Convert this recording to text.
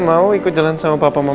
mau ikut jalan sama papa mau